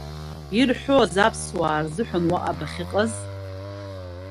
Ирҳәоз аԥсуаа рзыҳәан, уаҟа, бахьыҟаз?